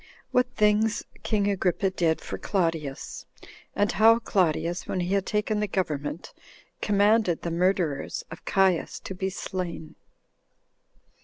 What Things King Agrippa Did For Claudius; And How Claudius When He Had Taken The Government Commanded The Murderers Of Caius To Be Slain.